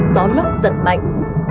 gió lốc giật mạnh